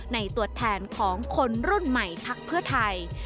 ตัวแทนของคนรุ่นใหม่พักเพื่อไทย